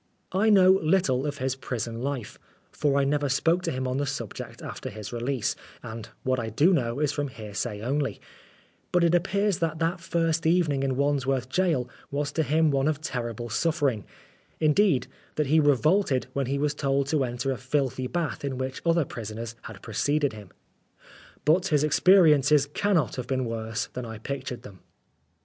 I know little of his prison life, for I never spoke to him on the subject after his release, and what I do know is from hearsay only, but it appears that that first evening in Wandsworth Gaol was to him one of terrible suffering indeed, that he revolted when he was told to enter a filthy bath in which other prisoners had preceded him. But his experiences cannot have been worse than I pictured them.